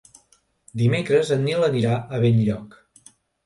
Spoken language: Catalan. Dimecres en Nil anirà a Benlloc.